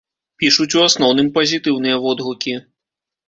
Пішуць у асноўным пазітыўныя водгукі.